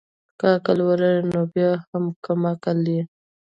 که عقل ولري نو بيا هم کم عقل يي